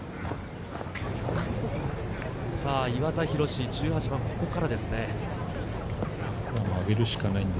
岩田寛、１８番、ここからです。